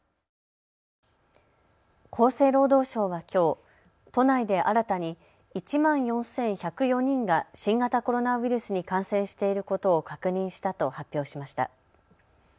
厚生労働省はきょう都内で新たに１万４１０４人が新型コロナウイルスに感染していることを確認したと発表しました。